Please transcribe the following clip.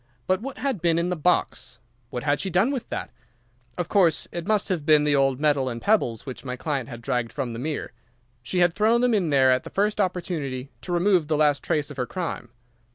But what had been in the box? What had she done with that? Of course, it must have been the old metal and pebbles which my client had dragged from the mere. She had thrown them in there at the first opportunity to remove the last trace of her crime.